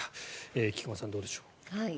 菊間さん、どうでしょう。